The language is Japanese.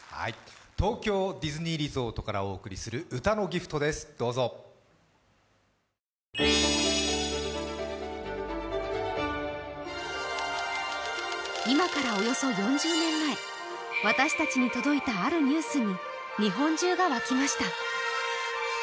東京ディズニーリゾートからお送りする歌のＧＩＦＴです、どうぞ今からおよそ４０年前、私たちに届いたあるニュースに、日本中が沸きました。